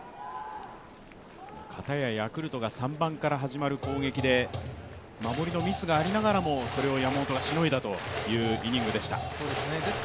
かたやヤクルトが３番から始まる攻撃で守りのミスがありながらもそれを山本がしのいだというイニングでした。